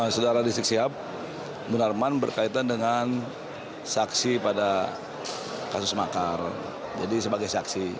saudara rizik sihab munarman berkaitan dengan saksi pada kasus makar jadi sebagai saksi